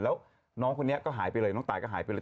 แล้วน้องคนนี้ก็หายไปเลยน้องตายก็หายไปเลย